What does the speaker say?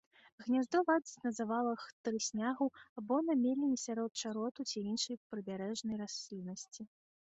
Гняздо ладзіць на завалах трыснягу або на меліне сярод чароту ці іншай прыбярэжнай расліннасці.